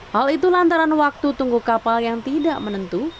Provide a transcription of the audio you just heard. hal itu lantaran waktu tunggu kapal yang tidak menentu